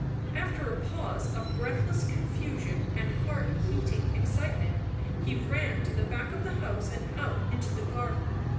After a pause of breathless confusion and heart heating excitement, he ran to the back of the house and out into the garden.